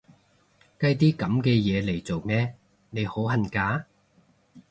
計啲噉嘅嘢嚟做咩？，你好恨嫁？